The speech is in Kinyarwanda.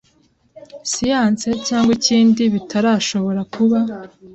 ' siyanse cyangwa ikindi bitarashobora kuba.